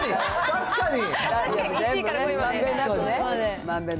確かに。